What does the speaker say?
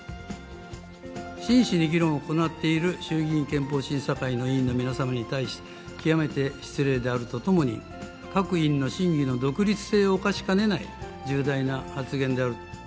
真摯に議論を行っている衆議院憲法審査会の委員の皆様に対し、極めて失礼であるとともに、各委員の審議の独立性を侵しかねない重大な発言である。